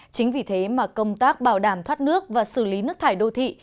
chính vì thế mà công tác bảo đảm thoát nước và xử lý nước thải đô thị